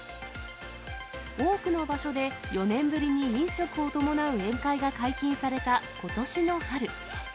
多くの場所で４年ぶりに飲食を伴う宴会が解禁された、ことしの春。